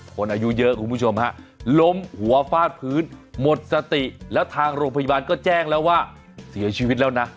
คนอายุเยอะคุณผู้ชมฮะล้มหัวฟาดพื้นหมดสติแล้วทางโรงพยาบาลก็แจ้งแล้วว่าเสียชีวิตแล้วนะ